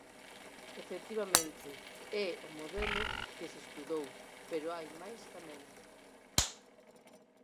Efectivamente, é o modelo que se estudou, pero hai máis tamén.